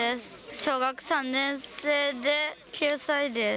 小学３年生で９歳です。